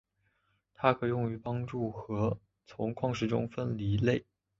它可用于帮助从矿石中分离钼。